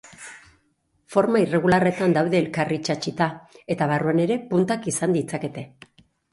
Forma irregularretan daude elkarri itsatsita, eta barruan ere puntak izan ditzakete.